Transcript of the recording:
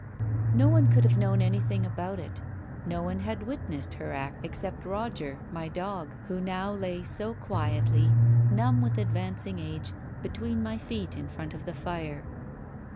No one could have known anything about it, no one had witnessed her act except Roger, my dog, who now lay so quietly, numb with advancing age, between my feet in front of the fire.